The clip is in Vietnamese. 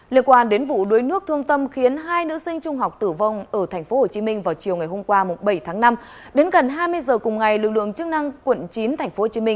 liên quan đến vụ đuối nước thương tâm khiến hai nữ sinh trung học tử vong ở tp hcm vào chiều ngày hôm qua bảy tháng năm đến gần hai mươi giờ cùng ngày lực lượng chức năng quận chín tp hcm